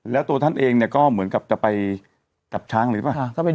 แล้วตัวท่านเองเนี่ยก็เหมือนกับจะไปจับช้างหรือเปล่า